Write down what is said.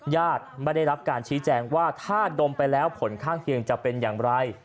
ญาติไม่ได้รับการชี้แจงว่าถ้าดมไปแล้วผลข้างเคียงจะเป็นอย่างไร